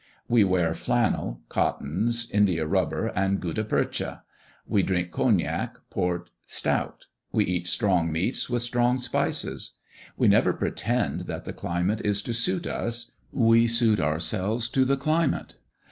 We wear flannel, cottons, india rubber, and gutta percha; we drink cognac, port, stout; we eat strong meats with strong spices. We never pretend that the climate is to suit us; we suit ourselves to the climate.